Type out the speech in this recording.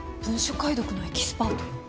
文書解読のエキスパート？